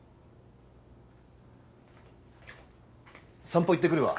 散歩行ってくるわ。